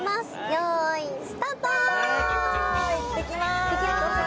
よーい、スタート！